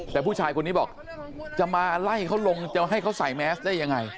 แต่ผู้ชายคนนี้บอกจะมาไล่เขาลงจะให้เขาใส่แมสได้ยังไง